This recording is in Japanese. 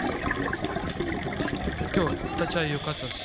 今日立ち合いよかったです。